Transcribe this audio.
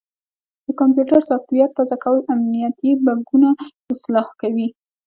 د کمپیوټر سافټویر تازه کول امنیتي بګونه اصلاح کوي.